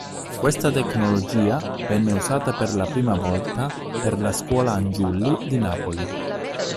Questa tecnologia venne usata per la prima volta per la "Scuola Angiulli" di Napoli.